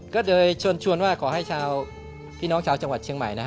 ก็เลยชวนว่าขอให้ชาวพี่น้องชาวจังหวัดเชียงใหม่นะฮะ